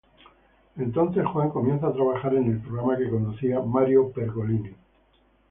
Entonces Juan comienza a trabajar en el programa que conducía Mario Pergolini.